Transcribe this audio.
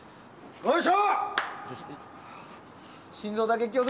よいしょ！